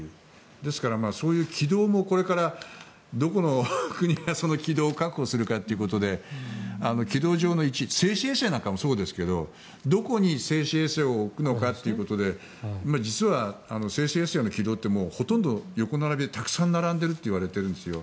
ですからそういう軌道もこれからどこの国がその軌道を確保するかということで軌道上の位置静止衛星なんかもそうですがどこに静止衛星を置くのかということで実は静止衛星の軌道ってほとんど横並びでたくさん並んでいるといわれているんですよ。